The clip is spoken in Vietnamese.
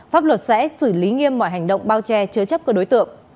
pháp luật sẽ xử lý nghiêm mọi hành động bao che chứa chấp các đối tượng